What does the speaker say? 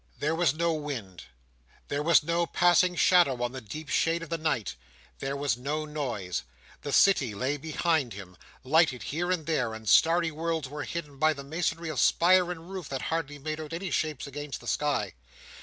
There was no wind; there was no passing shadow on the deep shade of the night; there was no noise. The city lay behind him, lighted here and there, and starry worlds were hidden by the masonry of spire and roof that hardly made out any shapes against the sky.